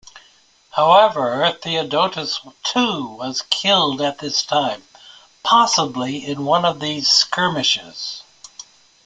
However, Theodotus too was killed at this time, possibly in one of these skirmishes.